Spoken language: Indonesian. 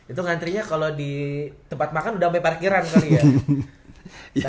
itu ngantrinya kalau di tempat makan udah sampai parkiran kali ya